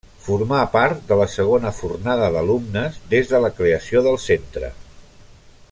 Formà part de la segona fornada d'alumnes des de la creació del centre.